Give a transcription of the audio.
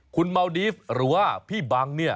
คุณเมาดีฟหรือว่าพี่บังเนี่ย